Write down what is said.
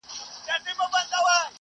اقتصادي مرسته د مسلمانانو صفت دی.